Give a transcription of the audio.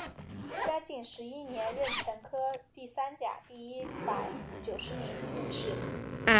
嘉靖十一年壬辰科第三甲第一百九十名进士。